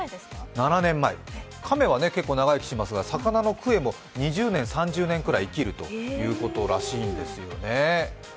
亀は結構長生きしますが、魚のクエも２０年、３０年くらい生きるということらしいんですよね。